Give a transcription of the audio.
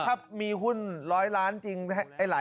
ถ้ามีหุ้นหลายล้านจริงดี